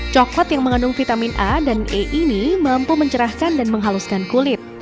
coklat yang mengandung vitamin a dan e ini mampu mencerahkan dan menghaluskan kulit